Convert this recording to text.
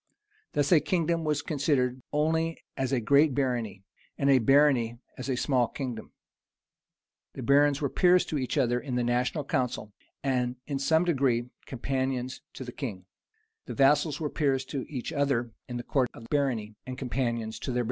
Thus, a kingdom was considered only as a great barony, and a barony as a small kingdom. The barons were peers to each other in the national council, and in some degree companions to the king; the vassals were peers to each other in the court of barony, and companions to their baron.